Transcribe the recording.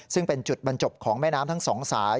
ซึ่งเป็นจุดบรรจบของแม่น้ำทั้งสองสาย